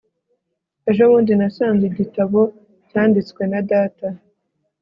ejobundi nasanze igitabo cyanditswe na data